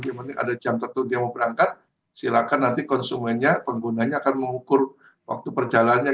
yang penting ada jam tertentu dia mau berangkat silakan nanti konsumennya penggunanya akan mengukur waktu perjalanannya